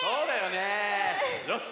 よし！